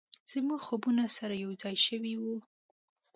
زموږ خوبونه سره یو ځای شوي و،